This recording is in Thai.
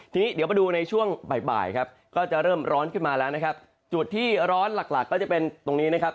ทีนี้เดี๋ยวมาดูในช่วงบ่ายบ่ายครับก็จะเริ่มร้อนขึ้นมาแล้วนะครับจุดที่ร้อนหลักหลักก็จะเป็นตรงนี้นะครับ